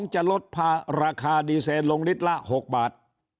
จะลดราคาดีเซนลงลิตรละ๖บาท